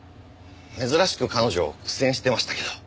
珍しく彼女苦戦してましたけど。